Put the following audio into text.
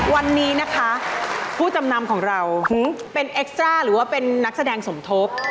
วันนี้นะคะผู้จำนำของเราเป็นเอ็กซ่าหรือว่าเป็นนักแสดงสมทบ